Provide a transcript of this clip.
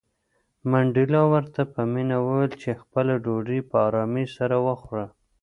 منډېلا ورته په مینه وویل چې خپله ډوډۍ په آرامۍ سره وخوره.